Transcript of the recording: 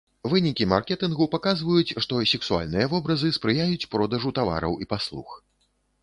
Вынікі маркетынгу паказваюць, што сексуальныя вобразы спрыяюць продажу тавараў і паслуг.